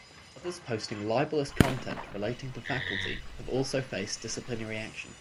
Others posting libelous content relating to faculty have also faced disciplinary action.